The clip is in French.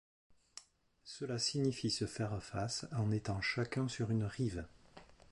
Cela signifie se faire face en étant chacun sur une rive.